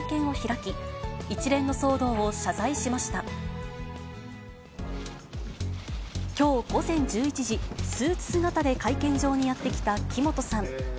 きょう午前１１時、スーツ姿で会見場にやって来た木本さん。